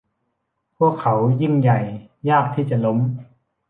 พวกเขายิ่งใหญ่ยากที่จะล้ม